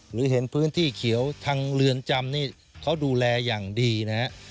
หรือเห็นพื้นที่เขียวทางเรือนจำนี่เขาดูแลอย่างดีนะฮะ